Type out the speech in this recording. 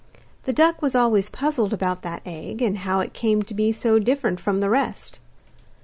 The duck was always puzzled about that egg, and how it came to be so different from the rest.